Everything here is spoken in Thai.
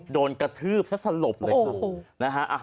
โดนกระทืบซะสลบเลยครับ